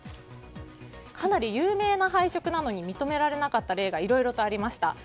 かなり有名な配色なのに認められなかった例がいろいろありました。